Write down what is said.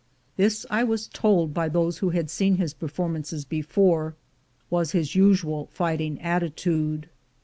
This, I was told by those who had seen his performances before, was his usual fighting attitude.